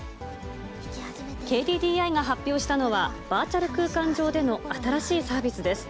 ＫＤＤＩが発表したのは、バーチャル空間上での新しいサービスです。